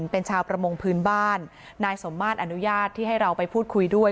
เป็นชาวประมงพื้นบ้านนายสมมาตรอนุญาตที่ให้เราไปพูดคุยด้วย